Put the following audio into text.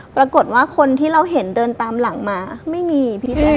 ปรากฏว่าคนที่เราเห็นเดินตามหลังมาไม่มีพี่แจ๊ค